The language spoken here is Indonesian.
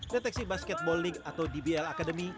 deteksi basketball link atau dbl academy